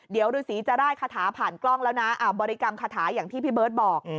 เดี๋ยวฤษีจะได้คาถาผ่านกล้องแล้วนะบริกรรมคาถาอย่างที่พี่เบิร์ตบอก